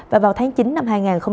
và vào tháng chín năm hai nghìn hai mươi